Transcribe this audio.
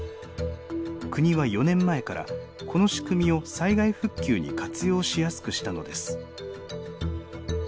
国は４年前からこの仕組みを災害復旧に活用しやすくしたのです。